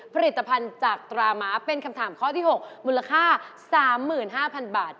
ผลิตภัณฑ์จากตราม้าเป็นคำถามข้อที่๖มูลค่า๓๕๐๐๐บาท